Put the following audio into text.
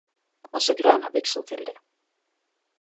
Och så gröna byxor till det.